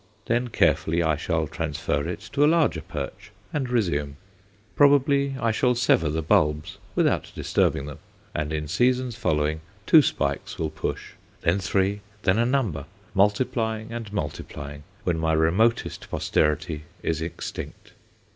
Then carefully I shall transfer it to a larger perch and resume. Probably I shall sever the bulbs without disturbing them, and in seasons following two spikes will push then three, then a number, multiplying and multiplying when my remotest posterity is extinct.